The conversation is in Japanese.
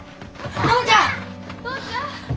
お父ちゃん！